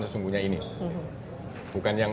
sesungguhnya ini bukan yang